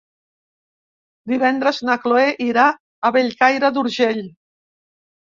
Divendres na Cloè irà a Bellcaire d'Urgell.